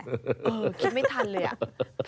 อื้มคิดไม่ทันเลยอ่ะ